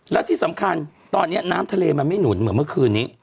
และที่สำคัญตอนนี้น้ำทะเลมันไม่หนุนเหมือนเมื่อคืนนี้